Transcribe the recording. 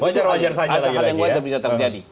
wajar wajar saja lagi lagi ya